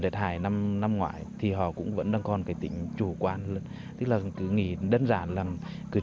rệt hải năm ngoại thì họ cũng vẫn đang còn cái tính chủ quan tức là cứ nghĩ đơn giản là cứ